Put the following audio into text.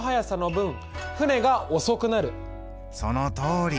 そのとおり。